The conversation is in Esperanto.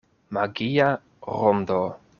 Magia rondo.